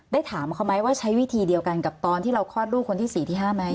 ถามเขาไหมว่าใช้วิธีเดียวกันกับตอนที่เราคลอดลูกคนที่๔ที่๕ไหม